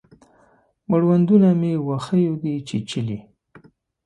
مړوندونه مې وښیو دی چیچلي